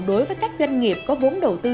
đối với các doanh nghiệp có vốn đầu tư